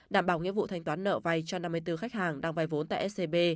đảm bảo nhiệm vụ thanh toán nợ vai cho năm mươi bốn khách hàng đang vai vốn tại scb